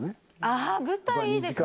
舞台いいですね